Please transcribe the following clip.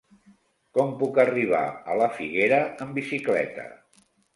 Com puc arribar a la Figuera amb bicicleta?